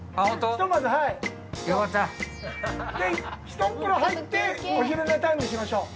ひとっ風呂入ってお昼寝タイムにしましょう。